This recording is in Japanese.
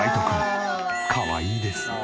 かわいいです。